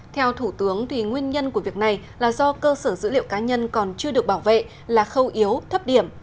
theo thủ tướng nguyên nhân của việc này là do cơ sở dữ liệu cá nhân còn chưa được bảo vệ là khâu yếu thấp điểm